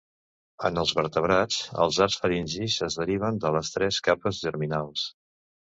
En els vertebrats, els arcs faringis es deriven de les tres capes germinals.